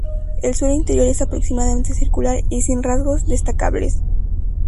El suelo interior es aproximadamente circular y sin rasgos destacables.